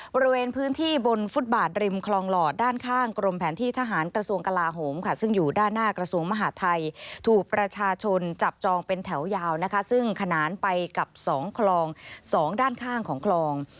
บริเวณพื้นที่บนฟุตบาทริมคลองหลอดด้านข้างกรมแผนที่ทหารกระทรวงกลาโหมค่ะซึ่งอยู่ด้านหน้ากระทรวงมหาทัยถูกประชาชนจับจองเป็นแถวยาวนะคะซึ่งขนานไปกับ๒คลอง๒ด้านข้างของคลอง